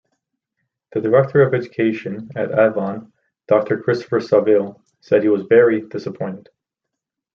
The Director of Education at Avon, Doctor Christopher Saville, said he was 'very disappointed'.